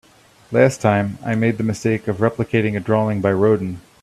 Last time, I made the mistake of replicating a drawing by Rodin.